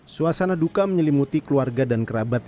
suasana duka menyelimuti keluarga dan kerabat